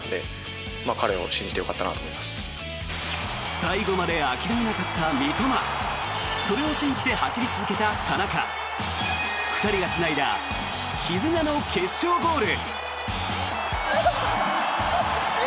最後まで諦めなかった三笘それを信じて走り続けた田中２人がつないだ絆の決勝ゴール。